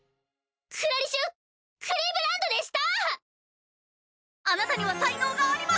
クラリシュクリーヴランドでした！